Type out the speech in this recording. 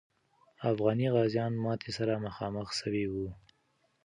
افغاني غازیان ماتي سره مخامخ سوي وو.